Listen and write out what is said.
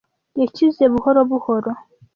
Yakize buhoro buhoro.